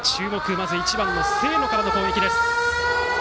まず１番、清野からの攻撃です。